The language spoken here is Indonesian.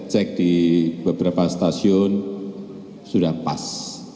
cek di beberapa stasiun sudah pas